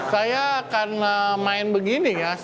saya akan main begini ya